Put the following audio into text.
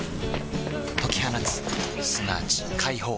解き放つすなわち解放